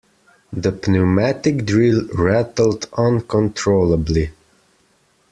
The pneumatic drill rattled uncontrollably.